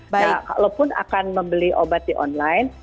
nah kalaupun akan membeli obat di online